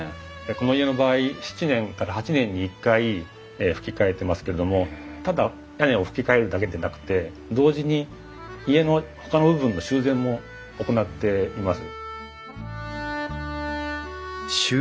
この家の場合７年から８年に一回ふき替えてますけれどもただ屋根をふき替えるだけでなくて同時に家のほかの部分の修繕も行っています。